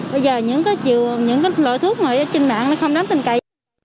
bây giờ những cái loại thuốc mà trên mạng nó không đáng tinh cậy